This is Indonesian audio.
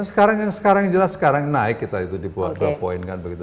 sekarang yang sekarang jelas sekarang naik kita itu dibuat dua poin kan begitu